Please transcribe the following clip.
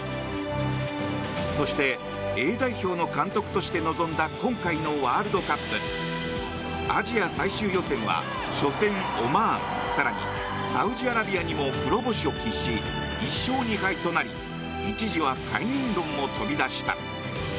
そしてＡ代表の監督として臨んだ今回のワールドカップ。アジア最終予選は初戦、オマーン更にサウジアラビアにも黒星を喫し１勝２敗となり一時は解任論も飛び出した。